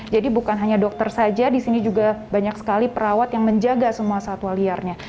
jadi bukan hanya dokter saja di sini juga banyak sekali perawat yang menjaga semua satwa liarnya